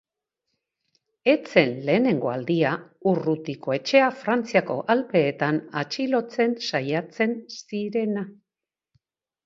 Ez zen lehenengo aldia Urrutikoetxea Frantziako Alpeetan atxilotzen saiatzen zirena.